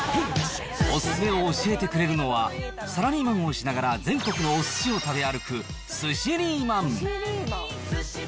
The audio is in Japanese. お勧めを教えてくれるのは、サラリーマンをしながら全国のおすしを食べ歩く、寿司リーマン。